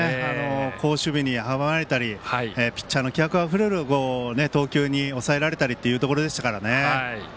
好守備に阻まれたりピッチャーの気迫あふれる投球に抑えられたりというところでしたからね。